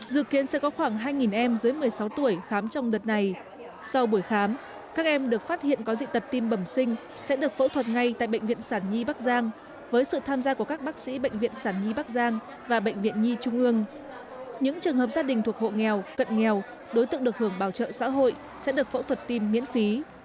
thực hiện chương trình trái tim cho em trong hai ngày một mươi và một mươi một tháng tám bệnh viện sản nhi bắc giang phối hợp với bệnh viện nhi trung ương quỹ tấm lòng việt nam và tập đoàn viễn thông quân đội việt ten tổ chức chương trình khám sàng lọc dị tật tim bẩm sinh